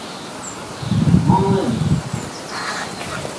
I'm all in.